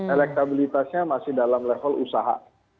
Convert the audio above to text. elektabilitasnya masih dalam level usaha